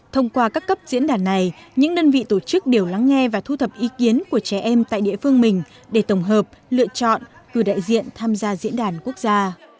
thông qua các cấp diễn đàn này những đơn vị tổ chức đều lắng nghe và thu thập ý kiến của trẻ em tại địa phương mình để tổng hợp lựa chọn cử đại diện tham gia diễn đàn quốc gia